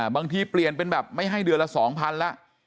บางทีเปลี่ยนเป็นแบบไม่ให้เดือนละ๒๐๐๐ละ